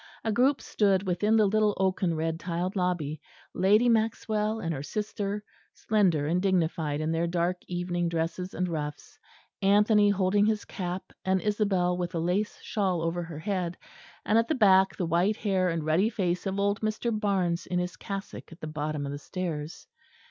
A group stood within the little oaken red tiled lobby; Lady Maxwell and her sister, slender and dignified in their dark evening dresses and ruffs; Anthony holding his cap, and Isabel with a lace shawl over her head, and at the back the white hair and ruddy face of old Mr. Barnes in his cassock at the bottom of the stairs.